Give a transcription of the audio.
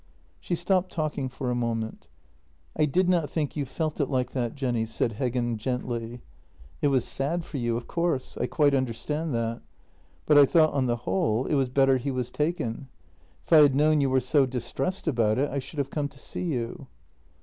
She stopped talking for a moment. " I did not think you felt it like that, Jenny," said Heggen gently. "It was sad for you, of course — I quite understood that — but I thought, on the whole, it was better he was taken. If I had known you were so distressed about it, I should have come to see you."